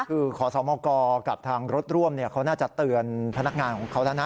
คือขอเสาเมาเกากับทางรถร่วมเขาน่าจะเตือนพนักงานของเขาด้านนั้น